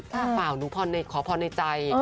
ถ้าเปล่าหนูขอพรในใจ